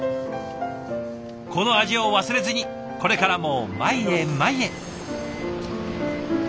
この味を忘れずにこれからも前へ前へ。